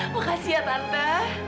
makasih ya tante